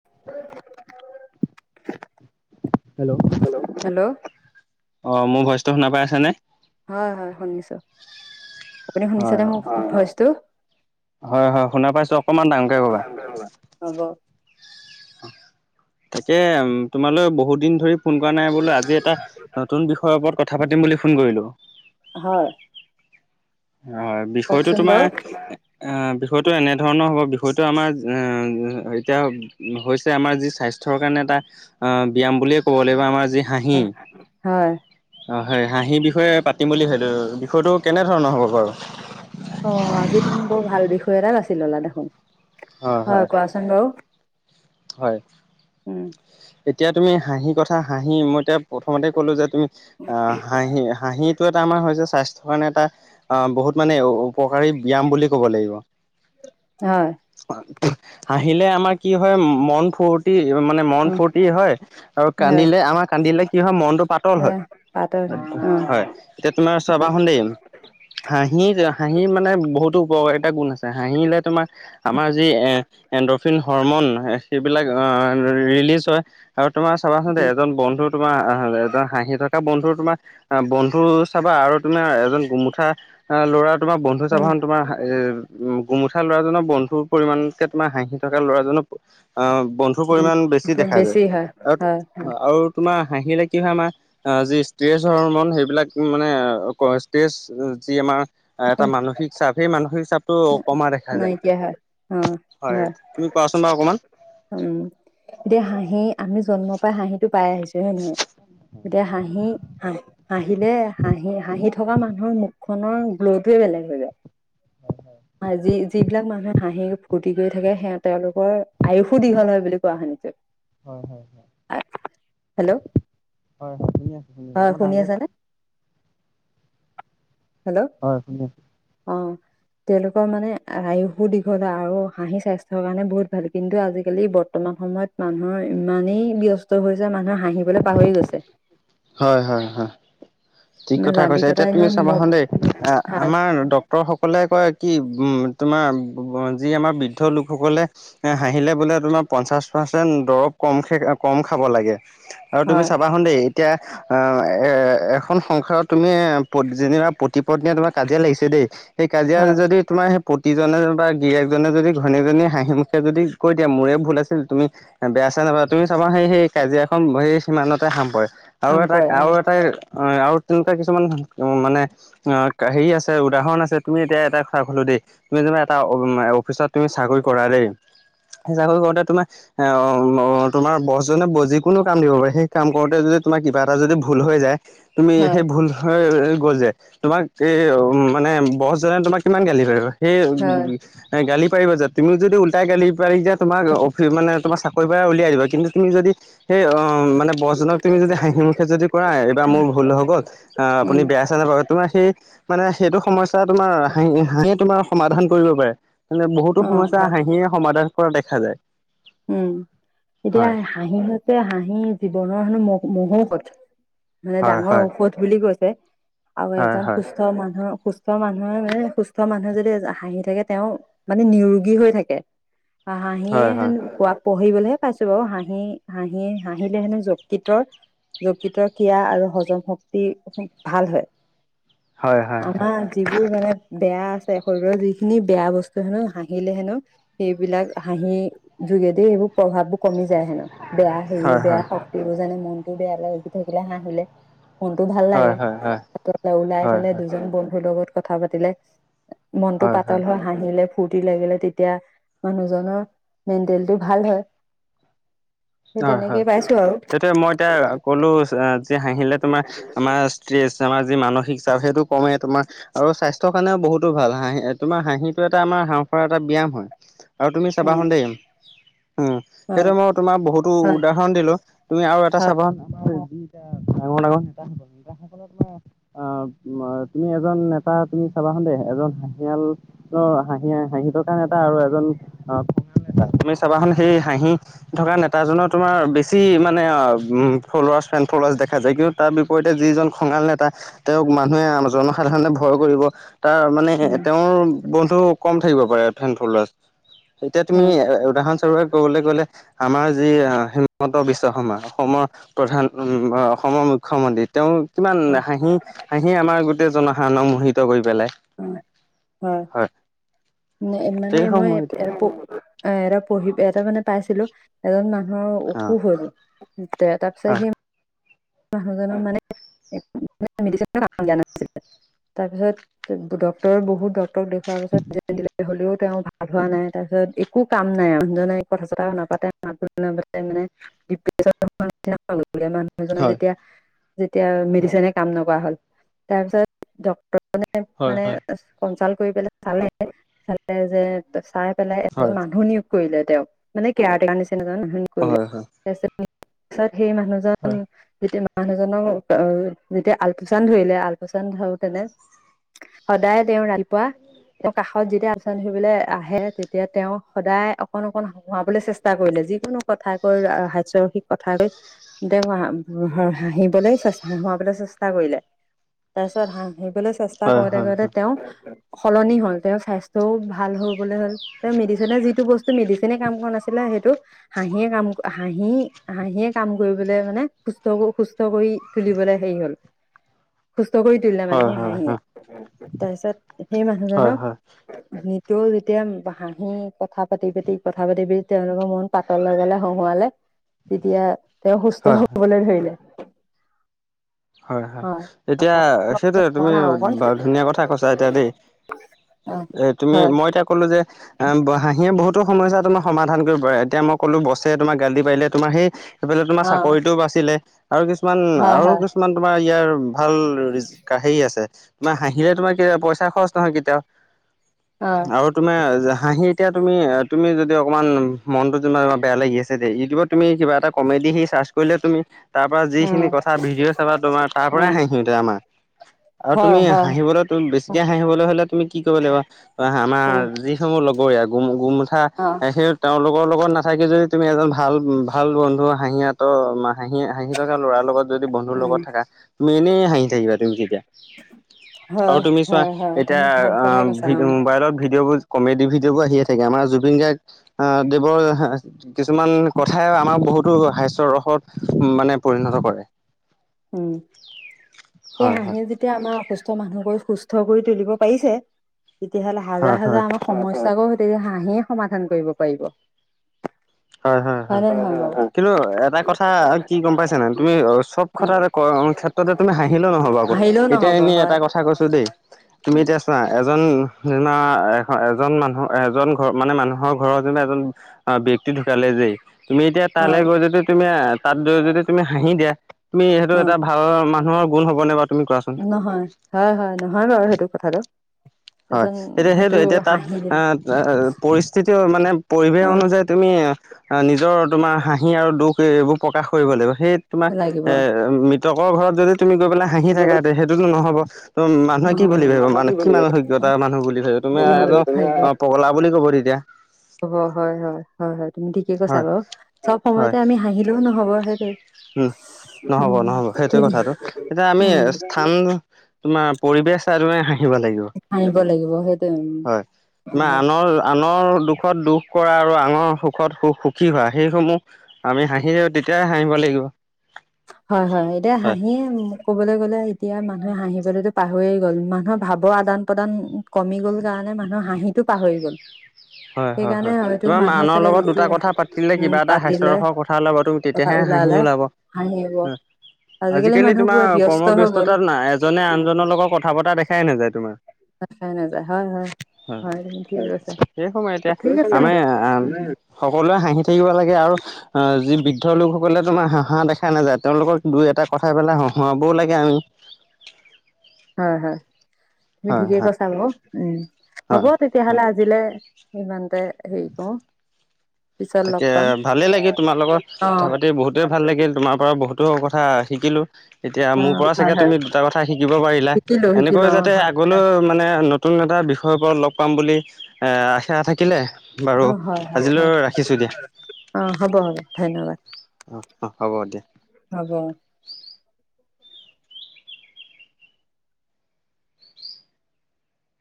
[inaudible] Hello! Hello! Hello! অ মোৰ ভইচটো শুনা পাই আছা নে? হয় হয় শুনিছো। আপুনি শুনিছে হয় নে মোৰ ভইচটো? হয় হয় শুনা পাইছো, অকণমান ডাঙৰকে কবা। হব। তাকে তোমালৈ বহুত দিন ধৰি ফোন কৰা নাই বোলো আজি এটা নতুন বিষয়ৰ ওপৰত কথা পাতিম বুলি ফোন কৰিলো। হয়। হয় বিষয়টো কওকচোন তোমাৰ বাৰু আহ বিষয়টো এনেধৰণৰ হ'ব বিষয়টো আমাৰ এতিয়া হৈছে আমাৰ যি স্বাস্থ্যৰ কাৰণে এটা ব্যায়াম বুলিয়ে ক'ব লাগিব আমাৰ যি হাঁহি। হয় অ হয় হাঁহি বিষয়ে পাতিম বুলি ভাবিলো। বিষয়টো কেনেধৰণৰ হ'ব বাৰু? অ আজি তুমি বৰ ভাল বিষয় এটা বাচি ললা দেখোন। হয় কোৱাচোন বাৰু। হয়। উম এতিয়া তুমি হাঁহি কথা হাঁহি মই এতিয়া প্ৰথমতে ক'লো যে তুমি অ হাঁহি হাঁহিটো এটা আমাৰ হৈছে স্বাস্থ্য ৰ কাৰণে এটা অ বহুত মানে উপকাৰী ব্যায়াম বুলি ক'ব লাগিব। হয়। হাঁহিলে আমাৰ কি হয় মন ফূৰ্তি মানে মন ফূৰ্তি হয়, আৰু হয় কান্দিলে আমাৰ কান্দিলে কি হয় মনটো পাতল এ হয়। পাতৰ অ হয়, এতিয়া তোমাৰ হয় চাবাচোন দেই। হাঁহি হাঁহি মানে বহুতো উপকাৰিতা গুণ আছে হাঁহিলে তোমাৰ আমাৰ যি এ এণ্ডৰফিন হৰমন সেইবিলাক আহ ৰিলিজ হয়। আৰু তোমাৰ চাবাচোন দেই এজন বন্ধু তোমাৰ আহ এজন হাঁহি থকা বন্ধু তোমাৰ বন্ধু চাবা আৰু তোমাৰ এজন গোমোঠা অ ল'ৰা তোমাৰ বন্ধু উম চাবাচোন তোমাৰ এ গোমোঠা ল'ৰাজনৰ বন্ধুৰ পৰিমাণতকৈ তোমাৰ হাঁহি থকা ল'ৰাজনৰ বন্ধু ৰ উম পৰিমাণ বেছি দেখা যায়। হয় হয় আৰু আৰু তোমাৰ হাঁহিলে কি হয় আমাৰ আ যি ষ্ট্ৰেজ হ'ৰমন সেইবিলাক মানে ষ্ট্ৰেজ যি আমাৰ এটা উম মানসিক চাপ সেই মানসিক চাপটো কমা দেখা যায়, নাইকিয়া হয় অ হয়। তুমি কোৱাচোন বাৰু অকণমান। উম এতিয়া হাঁহি আমি জন্ম পৰাই হাঁহিটো পাই আহিছো হয়নে নহয়? এতিয়া হাঁহি হাহ হাঁহিলে হাঁহি হাঁহিত থকা মানুহৰ মুখনৰ গ্ল'টোৱে বেলেগ হৈ যায়। আৰু যি যিবিলাক মানুহে হাঁহি ফূৰ্তি কৰি থাকে সেয়া তেওঁলোকৰ আয়ুসো দীঘল হয় বুলি কোৱা হয় বুলি কোৱা শুনিছো। হয় হয় হয় হেল্ল' হয় শুনি আছো শুনি আছো। হয় অকমান ডাঙৰ আছানে কওক। হেল্ল! হয় শুনি আছো। অঁ। তেওঁলোকৰ মানে আয়ুসো দীঘল হয় আৰু হাঁহি স্বাস্থ্যৰ কাৰণে বহুত ভাল কিন্তু আজিকালি বৰ্তমান সময়ত মানুহৰ ইমানেই ব্যস্ত হৈছে মানুহৰ হাঁহিবলৈ পাহৰি গৈছে। হয় হয় হয় ঠিক কথাই কৈছে যান্ত্ৰিকতা এতিয়া তুমি দিনত চাবা মোক চোন দেই হয় আমাৰ ডাক্তৰসকলে কয় কি তোমাৰ যি আমাৰ বৃদ্ধ লোকসকলে এ হাঁহিলে বোলে তোমাৰ পঞ্চাশ পাৰ্চেন্ট দৰব কম খে কম খাব লাগে। আৰু তুমি হয় চাবা চোন দেই এতিয়া অ', এ এখন সংসাৰত তুমি যেনিবা প্ৰতিপত্নীয়ে তোমাৰ কাজিয়া লাগিছে দেই। সেই কাজিয়াৰ হয় যদি তোমাৰ সেই পতিজনে বা গিৰিয়েকজনে যদি ঘৈণীয়েকজনী হাঁহি মুখে যদি কৈ দিয়ে মোৰে ভুল আছিল তুমি বেয়া চেয়া নাপাবা তুমি চাবা সেই সেই কাজিয়াখন সেই সিমানতে সাম পৰে। আৰু কাম এটা কৰে আৰু এটাই আৰু তেনেকুৱা কিছুমান মানে অ', হেৰি আছে উদাহৰণ আছে তুমি এতিয়া এটা কথা ক'লো দেই। তুমি যেনিবা এটা অফিচত তুমি চাকৰি কৰা দেই, সেই চাকৰি কৰোতে তোমাৰ এ তোমাৰ বছজনে যিকোনো কাম দিব পাৰে সেই কাম কৰোতে যদি তোমাৰ কিবা এটা যদি ভুল হৈ যায়, তুমি হয় সেই ভুল গ'ল যে তোমাক এই মানে বছ জনে তোমাক কিমান গালি পাৰিব হয় সেই গালি পাৰিব যে তুমি যদি ওলটাই গালি পাৰি যো তোমাৰ অফি মানে তোমাক চা কৰিৰ পৰা উলিয়াই দিব। কিন্তু তুমি যদি সেই অ অ মানে বছজনক তুমি যদি হাঁহি মুখে যদি কোৱা, এইবাৰ মোৰ ভুল হৈ গ'ল উম আপুনি বেয়া চেয়া নাপাব। তোমাৰ সেই মানে সেইটো সমস্যা তোমাৰ হাঁহি হাঁহি তোমাৰ সমাধান কৰিব পাৰে। মানে বহুতো অ সমস্যা হয় হাঁহিয়ে সমাধান কৰা দেখা যায় উম এতিয়া হয়। হাঁহি হৈছে হাঁহি জীৱনৰ হেনো মহ মহো ঔষধ, মানে হয় ডাঙৰ হয় ঔষধ বুলি কৈছে। আৰু হয় এজন সুস্থ সুস্থ মানুহৰ সুস্থ মানুহে মানে সুস্থ মানুহে যদি হাঁহি থাকে তেওঁ মানে নিৰোগী হৈ থাকে। হয় হাঁহিয় হয় হেনো কোৱ পঢ়িবলৈহে পাইছো বাৰু হাঁহি হাঁহি হাঁহিলে হেনো যকৃত যকৃতৰ ক্ৰিয়া আৰু হজম শক্তি খুব ভাল হয়। হয় হয় হয় আমাৰ যিবোৰ মানে বেয়া আছে শৰীৰৰ যিখিনি বেয়া বস্তু হেনো হাঁহিলে হেনো সেইবিলাক হাঁহিৰ যোগেদি এইবোৰ প্ৰভাৱ বোৰ কমি যায় হেনো। বেয়া হয় হেৰিও বেয়া হয় শক্তিবোৰ জানে মনটো বেয়া লাগি থাকিলে হাঁহিলে মনটো ভাল হয় লাগে। হয় হয় ওলাই হয় গলে হয় দুজন বন্ধুৰ লগত কথা পাতিলে। মনটো পাতল হয় হাঁহিলে। ফুৰৰ্তি লাগিলে তেতিয়া মানুহজনৰ মেণ্টেলেটিটো ভাল হয়। সেই হয় হয়, তেনেকেই পাইছো আৰু সেইটোয়ে মই এতিয়া কলো যে হাঁহিলে তোমাৰ আমাৰ ষ্ট্ৰেছ আমাৰ যি মানসিক চাপ সেইটো কমেই তোমাৰ আৰু স্বাস্থ্যৰ কাৰণেও বহুতো ভাল হাঁহি তোমাৰ হাঁহিটো এটা আমাৰ হাঁহ ফাঁওৰ এটা ব্যায়াম হয়। আৰু তুমি চাবাচোন দেই উম হয় সেইটোৱে মই তোমাৰ বহুতো হয় উদা হৰণ দিলো, তুমি আৰু এটা হয় চাবা [unintelligible] আমাৰ [unintelligible] ডাঙৰ ডাঙৰ। অ', তুমি এজন নেতা তুমি চাবাচোন দেই এজন হাঁহিয়াল অ', হাঁহি হাঁহি থকা নেতা আৰু এজন অ', তুমি চাবাচোন সেই হাঁহি থকা নেতা তাৰজনৰ তোমাৰ বেছি মানে ফলোৱাৰ্ছ, ফেণ্ড ফলোৱাছ দেখাইছে কিন্তু তাৰ বিপ ৰীতে যিজন খঙাল নেতা তেওঁক মানুহে জনসাধাৰণে ভয় কৰিব তাৰ মানে উম তেওঁৰ বন্ধু কম থাকিব পাৰে ফেণ্ড ফলোৱাৰ্চ এতিয়া তুমি এ উদাহৰণস্বৰূপে কবলৈ গলে আমাৰ যি হিমন্ত বিশ্ব শৰ্মা অসমৰ প্ৰধান অসমৰ মুখ্যমন্ত্ৰী, তেওঁ কিমান হাঁহি হাঁহিয়ে আমাৰ গোটেই জনসাধাৰনক মোহিত কৰি পেলাই। হয় হয়, মানে মই সেইসমূহ প এ এটা পঢ়ি এটা মানে পাইছিলো, এজন মানুহৰ এতিয়া অ অসুখ হ'ল, তাৰ পিছত সেই মানুহজনক মানে, একো মানে মেডিচিনে কাম দিয়া নাছিলে। তাৰ পিছত ডক্টৰ বহুত ডক্টৰক দেখুৱাৰ পিছত যেনে তেনে হলেও তেওঁ ভাল ভাল হোৱা নাই, তাৰপিছত একো কাম নাই আৰু মানুহজনে কথা চতাও নাপাতে, মাত বোল নামাতে, মানে ডিপ্ৰেচন হোৱা নিচিনা হলগে মানু হয় জনক হয় যেতিয়া, যেতিয়া মেডিচিনে কাম নকৰা হ'ল, তাৰপিছত ডক্তৰজনে হয় মানে হয় কনচাল্ট কৰি পেলাই চালে, চালে যে চাই পেলাই হয় এজন মানুহ নিয়োগ কৰিলে তেওঁক, মানে কেয়াৰ তেকাৰ নিচিনা এজন কৰিলে হয় হয়। তাৰপিছত সেই মানুহজন যেতিয়া মানুহজনক যেতিয়া আলপুচান ধৰিলে, আলপুচান ধৰোতেনে সদায় তেঁও ৰাতিপুৱা তেওঁ কাষত যেতিয়া আলপইছান ধৰিবলে আহে তেতিয়া তেওঁ সদায় অকন অকণ হহুৱাবলে চেষ্টা কৰিলে, যিকোনো কথা কৈ, হাস্যৰসিক কথা কৈ হাঁহিবলে হহোৱাবলে চেষ্টা কৰিলে, তাৰপিছত হা হাঁহিবলে চেষ্টা হয় হয় কৰোতে হয় কৰোতে তেওঁ সলনি হল, তেওঁৰ স্বাস্থ্যও ভাল হবলৈ হ'ল। তেওঁ মেডিচিনে যিটো বস্তু, মেডিচিনে কাম কৰা নাছিলে, সেইটো হাঁহিয়ে কাম, হাঁহি হাঁহিয়ে কাম কৰিবলে মানে সুস্থকো সুস্থ কৰি তুলিবলৈ হেৰি হল, সুস্থ কৰি দিলে মানে হয় সেই হয় হয় হাঁহিয়ে, তাৰপিছত সেই হয় হয় মানুহজনক নি টো যেতিয়া হাঁহি, কথা পাতি পাতি, কথা পাতি পাতি, তেওঁলোকৰ মন পাতল লগালে হহুৱালে তেতিয়া তেওঁ সুস্থ হয় হবলৈ ধৰিলে। হয় হয় এতিয়া সেইটোৱে, তুমি অকণ ধুনীয়া কথা কৈছা এতিয়া দেই। এ তুমি হয় মই এতিয়া ক'লো যে অ' হাঁহিয়ে বহুতো সমস্যা তোমাৰ সমাধান কৰিব পাৰে, এতিয়া মই ক'লো বছে তোমাক গালি পাৰিলে তোমাৰ সেই সেইফালে তোমাৰ অ চাকৰিটো বাচিলে, আৰু কিছুমান হয় আৰু হয় কিছু মান তোমাৰ ইয়াৰ ভাল হেৰি আছে। তোমাৰ হাঁহিলে তোমাৰ পইচা খৰচ নহয় কেতিয়াও, অ আৰু তোমাৰ হাঁহি এতিয়া তুমি, তুমি যদি অকমান মনতো যেনিবা অলপমান বেয়া লাগি আছে দেই, ইউটিউবত তুমি কিবা এটা কমেডি সি চাৰ্চ কৰিলে তুমি তাৰ পৰা যিখিনি উম কথা ভিডিঅ চাবা তোমাৰ তাৰ পৰাই উম হাঁহি উঠে আমাৰ। আৰু হয় তুমি হয় হাঁহিবলৈ, বেছিকে হাঁহিবলৈ হলে তুমি কি কৰিব লাগিব, আমাৰ উম যি মোৰ লগৰীয়া, গুম গুমঠা, অ সেই তেওঁলোকৰ লগত নাথাকি যদি তুমি এজন ভাল ভাল বন্ধু হাহিঁতৰ, হাঁহি হাঁহি থকা ল'ৰাৰ লগত যদি বন্ধুৰ উম লগত থাকা, তুমি এনেই হাঁহি থাকিবা তুমি তেতিয়া। আৰু হয় তুমি চোৱা হয় হয় এতিয়া তুমি ভাল আ কথাই কৈছা অ মোবাইলত ভিডিঅ' বোৰ কমেডি ভিডিঅ' বোৰ আহিয়ে থাকে আমাৰ জুবিন গাৰ্গ আহ দেৱৰ কিছুমান কথাই আমাক বহুতো হাস্যৰসত মানে পৰিণত কৰে। উম, সেই হয় হয় হাঁহিয়ে যে যেতিয়া আমাৰ অসুস্থ মানুহবোৰ সুস্থ কৰি তুলিব পাৰিছে তেতিয়াহলে হয় হাজাৰ হয় হাজাৰ আমাক সমস্যাবোৰ হৈ থাকিলে হাঁহিয়ে সমাধান কৰিব পাৰিব। হয় হয় হয়, নে নহয় বাৰু কিন্তু এটা কথা কি গম পাইছা নাই তুমি চব কথাতে ক ক্ষেত্ৰতে তুমি হাঁহিলে নহব আকৌ, হাঁহিলেও এতিয়া নহব এনেই এটা হয় কথা কৈছো দেই। তুমি উ এতিয়া চোৱা, এজন যেনেবা এ এজন মানুহ এজন ঘৰ মানে মানুহৰ ঘৰৰ যেনিবা এজন অ ব্যক্তি ঢুকালে যে তুমি এতিয়া তালৈ অ', গৈ যদি তুমি তাত যদি তুমি হাঁহি দিয়া তুমি সেইটো অ', এটা ভাল মানুৰ গুণ হবনে বাৰু তুমি কোৱা? নহয় হয় হয় নহয় বাৰু সেইটো কথাটো। হয় এজন এতিয়া সেইটো এতিয়া তাত হাঁহি দিব আহ পৰিস্থিতি মানে পৰিৱেশ অ', অনুযায়ী তুমি নিজৰ তোমাৰ হাঁহি আৰু দুখ এইবোৰ প্ৰকাশ কৰিব লাগিব। সেই তোমাৰ লাগিব। এ মৃতকৰ ঘৰত যদি তুমি গৈ পেলাই হাঁহি নহ'ব থাকা ত সেইটোতো নহব। ত মানুহে কি বুলি ভাবিব মানে কি মানুহ অজ্ঞতা মানুহ বুলি ভাবি তুমি এজন অ পগলা বুলি ক'ব তেতিয়া। ক'ব হয় হয়। হয় হয়, তুমি ঠিকে কৈছা হয় বাৰু। চব হয় সময়তে আমি হাঁহিলেও নহব সেইটোয়েই। উম নহ'ব নহ'ব, সেইটোয়ে কথাটো এতিয়া আমি উম, স্থান তোমাৰ পৰিবেশ চাই তুমি হাঁহিব লাগিব। হা‍ঁহিব লাগিব সেইটোৱে হয়। উম তোমাৰ হয়। আনৰ আনৰ দুখত দুখ কৰা আৰু আনৰ সু খত সুখ সুখী হোৱা সেইসমূহ, আমি হাঁহি তেতিয়াই হাঁহিব লাগিব। হয় হয়, এতিয়া হয় হাঁহিয়ে ক'বলৈ গ'লে এতিয়া মানুহে হাঁহিবলেটো পাহৰিয়ে গ'ল, মানুহৰ ভাৱৰ আদান প্ৰদান কমি গ'ল কাৰণে মানুহৰ হাঁহিটো পাহৰি গ'ল। হয় হয় সেইকাৰণে হয়, হয়তো তোমাৰ মানুহৰ চাগে লগত দুটা যেতিয়া কথা পাতিলে উম কিবা এটা পাতিলে হাস্যৰসৰ কথা ওলাব তুমি কথা তেতিয়াহে হাঁহি ওলালে ওলাব। হাঁহিব উম আজিকালি মানুহ তোমাৰ পুৰা ব্যস্ত হৈ গ'ল কৰ্মব্যস্ততাত এজনে আনজনৰ লগত কথা পতা দে খাই নাযায় তোমাৰ। দেখাই নাযায়, হয় হয় হয় তুমি ঠিক কৈছা। সেই সময় এতিয়া ঠিক আছে আমি আহ সকলোৱে হাঁহি থাকিব লাগে, আৰু অ যি বৃদ্ধ লোকসকলে তোমাৰ হাঁহা দেখা নাযায় তেওঁলোকক দুই এটা কথা কৈ পেলাই হহুৱাবও লাগে আমি। হয় হয়, তুমি হয় ঠিকে হয় কৈছা উম। হয়। হ'ব তেতিয়াহ'লে আজিলে ইমানতে হেৰি কৰো। পিছত তাকে লগ পাম ভালেই লাগিল তোমাৰ লগত অ অ কথা পাতি বহুতেই ভাল লাগিল, তোমাৰ পৰা বহুতো কথা শিকিলোঁ। এতিয়া মোৰ পৰা হয় চাগে হয় তুমি দুটা কথা শিকিব পাৰিলা শিকিলো এনেকৈ শিকিলো অ যাতে হয় আগলৈও হয় মানে ন তুন এটা বিষয়ৰ ওপৰত লগ পাম বুলি আশা থাকিলে। বাৰু অ হয় হয় আজিলৈ হয় ৰা খিছো দিয়া। অ হ'ব হ'ব ধন্যবাদ। অঁ অঁ হ'ব দিয়া। হ'ব।